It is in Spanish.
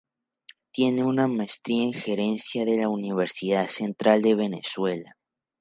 Tiene una Maestría en Gerencia de la Universidad Central de Venezuela.